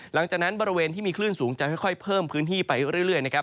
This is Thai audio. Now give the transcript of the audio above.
บริเวณที่มีคลื่นสูงจะค่อยเพิ่มพื้นที่ไปเรื่อยนะครับ